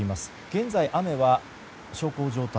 現在、雨は小康状態。